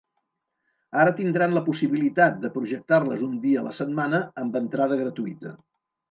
Ara tindran la possibilitat de projectar-les un dia la setmana, amb entrada gratuïta.